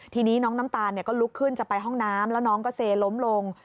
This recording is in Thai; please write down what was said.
ทีนี้น้องน้ำตาลก็ลุกขึ้นจะไปห้องน้ำแล้วน้องก็เซล้มลง